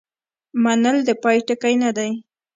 منل د پای ټکی نه دی.